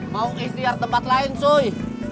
mau ikhtiar tempat lain sui